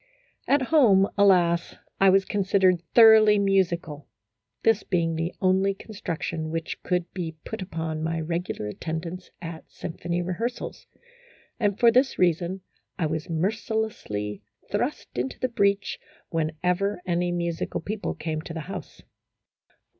At home, alas, I was considered thoroughly musi cal; this being the only construction which could be put upon my regular attendance at symphony rehearsals ; and for this reason I was mercilessly thrust into the breach whenever any musical people came to the house.